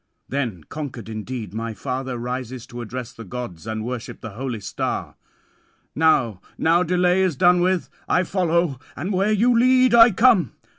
Then conquered indeed my father rises to address the gods and worship the holy star. "Now, now delay is done with: I follow, and where you lead, I come.